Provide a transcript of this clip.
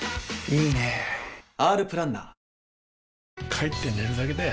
帰って寝るだけだよ